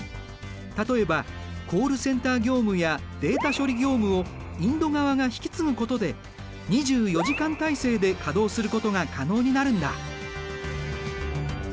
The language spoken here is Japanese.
例えばコールセンター業務やデータ処理業務をインド側が引き継ぐことで２４時間体制で稼働することが可能になるんだ。